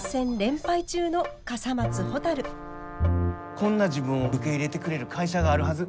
こんな自分を受け入れてくれる会社があるはず